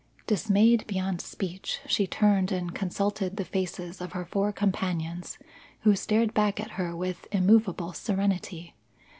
Dismayed beyond speech, she turned and consulted the faces of her four companions who stared back at her with immovable serenity.